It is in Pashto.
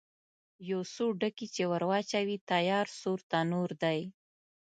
یو څو ډکي چې ور واچوې، تیار سور تنور دی.